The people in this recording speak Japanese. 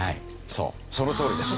そうそのとおりです。